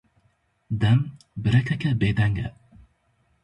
Dem, birekeke bêdeng e.